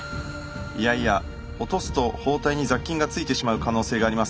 いやいや落とすと包帯に雑菌が付いてしまう可能性があります。